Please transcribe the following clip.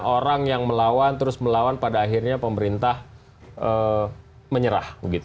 orang yang melawan terus melawan pada akhirnya pemerintah menyerah